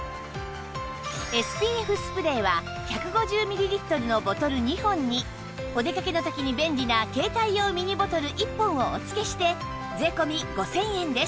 ＳＰＦ スプレーは１５０ミリリットルのボトル２本にお出かけの時に便利な携帯用ミニボトル１本をお付けして税込５０００円です